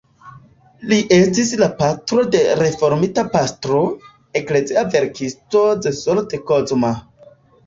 Li estis la patro de reformita pastro, eklezia verkisto Zsolt Kozma.